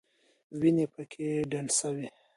وینې پکې ډنډ شوې.